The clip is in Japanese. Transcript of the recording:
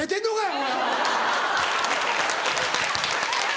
お前は。